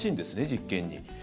実験に。